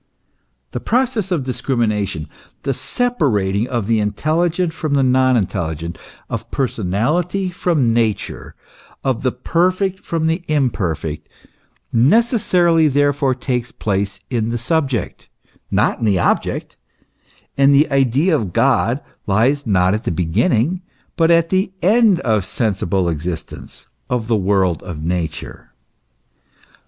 The process of discrimination, the separating of the intelligent from the non intelligent, of personality from nature, of the perfect from the imperfect, necessarily therefore takes place in the subject, not in the object, and the idea of God lies not at the beginning but at the end of sensible existence, of the world, of Nature.